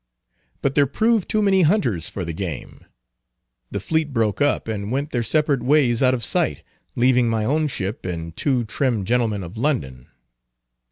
But there proved too many hunters for the game. The fleet broke up, and went their separate ways out of sight, leaving my own ship and two trim gentlemen of London.